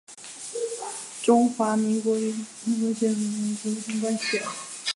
中华民国与保加利亚关系是指中华民国与保加利亚共和国之间的关系。